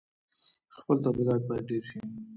خپل تولیدات باید ډیر شي.